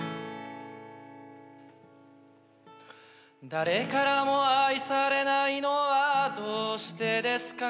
「誰からも愛されないのはどうしてですか？